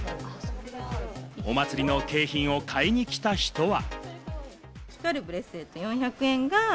お祭りの景品を買いに来た人は。